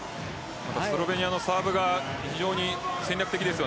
スロベニアのサーブが戦略的です。